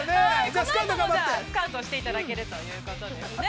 ◆このあとスカウトしていただけるということですね。